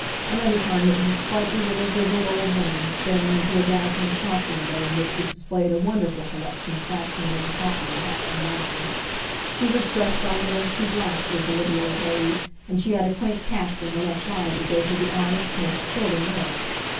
Another time it was a sprightly little, grizzled old woman, staring into a dazzling shop window in which was displayed a wonderful collection of fashionably impossible hats and gowns. She was dressed all in rusty black, was the little old lady, and she had a quaint cast in her left eye that gave her the oddest, most sporting look.